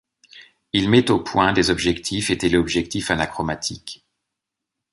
Il met au point des objectifs et téléobjectifs anachromatiques.